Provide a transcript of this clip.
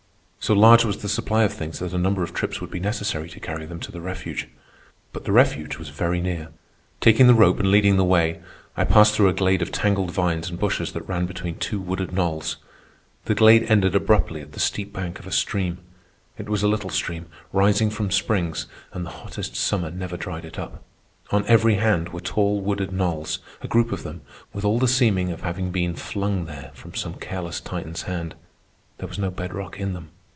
So large was the supply of things that a number of trips would be necessary to carry them to the refuge. But the refuge was very near. Taking the rope and leading the way, I passed through a glade of tangled vines and bushes that ran between two wooded knolls. The glade ended abruptly at the steep bank of a stream. It was a little stream, rising from springs, and the hottest summer never dried it up. On every hand were tall wooded knolls, a group of them, with all the seeming of having been flung there from some careless Titan's hand. There was no bed rock in them.